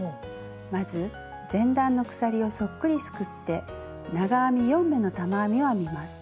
まず前段の鎖をそっくりすくって長編み４目の玉編みを編みます。